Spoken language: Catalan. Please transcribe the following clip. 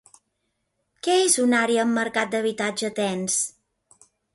Què és una àrea amb mercat d'habitatge tens?